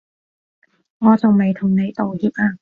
我仲未同你道歉啊